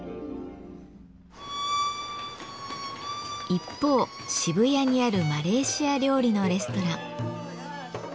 一方渋谷にあるマレーシア料理のレストラン。